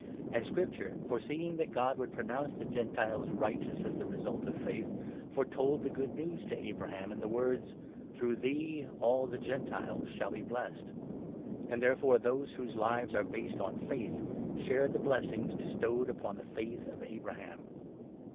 And Scripture, 8 Ground of foreseeing that God would pronounce the Gentiles Acceptance. rjghteous ag the result Qf fajth> foretold the Good News to Abraham in the words —' Through thee all the Gentiles shall be blessed.' And, therefore, those whose lives are based on faith share the 9 blessings bestowed upon the faith of Abraham.